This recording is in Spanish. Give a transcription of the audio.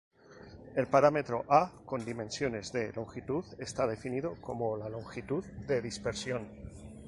El parámetro "a" con dimensiones de longitud está definido como la longitud de dispersión.